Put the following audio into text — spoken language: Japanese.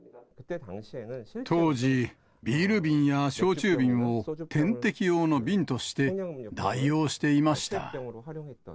当時、ビール瓶や焼酎瓶を点滴用の瓶として代用していました。